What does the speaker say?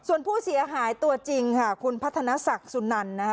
ส่วนผู้เสียหายตัวจริงค่ะคุณพัฒนศักดิ์สุนันนะคะ